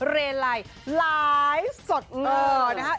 เรไรล้ายสดเงินนะฮะ